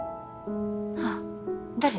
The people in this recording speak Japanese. あっ誰？